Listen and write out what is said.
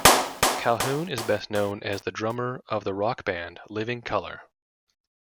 Calhoun is best known as the drummer of the rock band Living Colour.